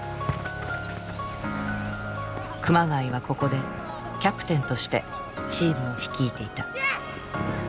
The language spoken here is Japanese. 熊谷はここでキャプテンとしてチームを率いていた。